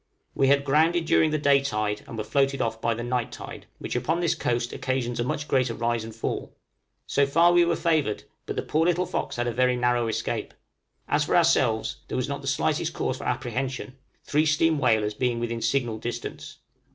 We had grounded during the day tide and were floated off by the night tide, which upon this coast occasions a much greater rise and fall, so far we were favored, but the poor little 'Fox' had a very narrow escape; as for ourselves, there was not the slightest cause for apprehension, three steam whalers being within signal distance.